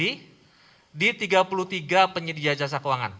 yayasan tadi di tiga puluh tiga penyedia jasa keuangan